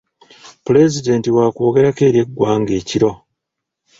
Pulezidenti wakwogerako eri eggwanga ekiro.